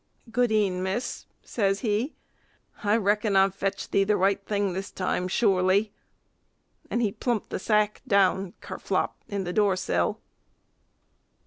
"Gode'en, missis," says he, "I reckon I've fetched thee the right thing this time, surely," and he plumped the sack down kerflap! in the doorsill.